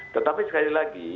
tetapi sekali lagi